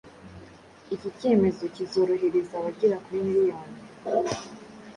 Iki cyemezo kizorohereza abagera kuri miliyoni